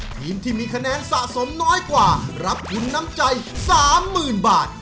ทีมที่มีคะแนนสะสมน้อยกว่ารับทุนน้ำใจ๓๐๐๐บาท